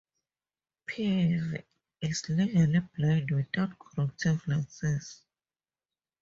Peavy is legally blind without corrective lenses.